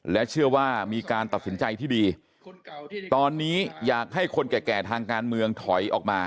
และเชื่อว่ามีการตัดสินใจที่ดีตอนนี้อยากให้คนแก่ทางการเมืองถอยออกมา